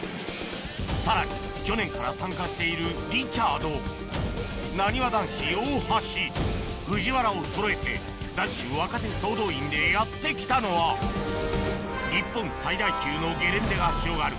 さらに去年から参加しているをそろえて『ＤＡＳＨ‼』若手総動員でやって来たのは日本最大級のゲレンデが広がる